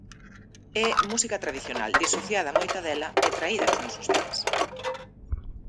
É música tradicional disociada moita dela e traída aos noso días.